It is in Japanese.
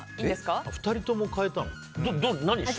２人とも変えたの？